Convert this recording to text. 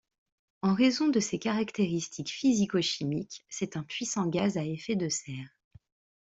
En raison de ses caractéristiques physicochimiques, c'est un puissant gaz à effet de serre.